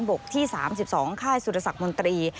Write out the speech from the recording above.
กที่๓๒ค่ายสุรสักมนตรี